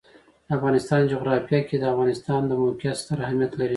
د افغانستان جغرافیه کې د افغانستان د موقعیت ستر اهمیت لري.